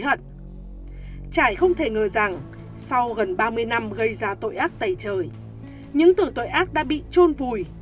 trải không thể ngờ rằng sau gần ba mươi năm gây ra tội ác tẩy trời những từ tội ác đã bị trôn vùi